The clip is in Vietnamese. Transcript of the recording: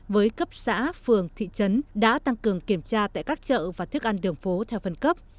với cấp xã phường thị trấn đã tăng cường kiểm tra tại các chợ và thức ăn đường phố theo phân cấp